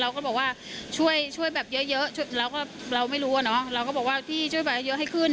เขาปั๊มกันนานมากจนแบบ